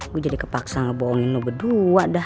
gue jadi kepaksa ngebohongin lo berdua dah